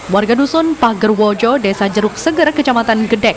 warga dusun pagerwojo desa jeruk seger kecamatan gedek